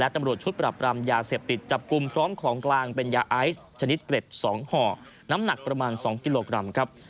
ตำรวจชุดปรับรามยาเสพติดจับกลุ่มพร้อมของกลางเป็นยาไอซ์ชนิดเกล็ด๒ห่อน้ำหนักประมาณ๒กิโลกรัมครับ